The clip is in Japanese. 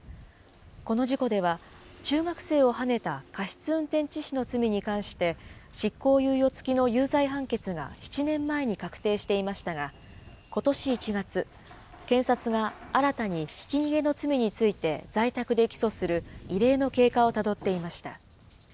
この事故では、中学生をはねた過失運転致死の罪に関して、執行猶予付きの有罪判決が７年前に確定していましたが、ことし１月、検察が新たにひき逃げの罪について在宅で起訴する異例の経過をたどっていました。